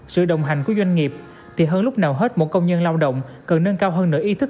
sự đồng hành của doanh nghiệp thì hơn lúc nào hết mỗi công nhân lao động cần nâng cao hơn nửa ý thức